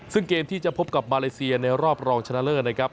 ซึ่งเกมที่จะพบกับมาเลเซียในรอบรองชนะเลิศนะครับ